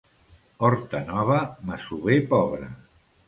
Horta nova, masover pobre.